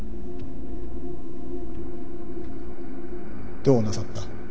どうなさった。